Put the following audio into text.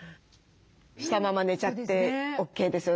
したまま寝ちゃってＯＫですよ。